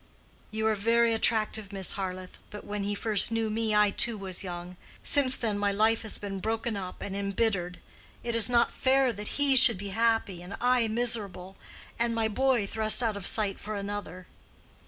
"You are very attractive, Miss Harleth. But when he first knew me, I too was young. Since then my life has been broken up and embittered. It is not fair that he should be happy and I miserable, and my boy thrust out of sight for another."